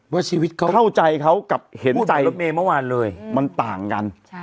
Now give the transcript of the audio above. ว่าชีวิตเขาเข้าใจเขากับเห็นใจมันต่างกัน